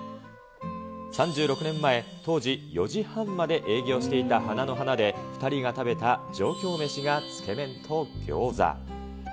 ３６年前、当時４時半まで営業していた花の華で、２人が食べた上京メシがつけ麺とギョーザ。